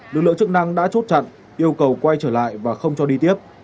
lực lượng chức năng đã chốt chặn yêu cầu quay trở lại và không cho đi tiếp